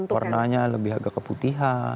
warnanya lebih agak keputihan